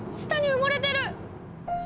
下に埋もれてる！